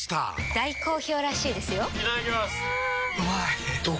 大好評らしいですよんうまい！